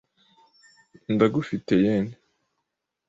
Ndagufitiye yen .